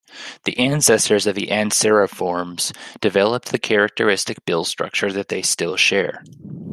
The ancestors of the Anseriformes developed the characteristic bill structure that they still share.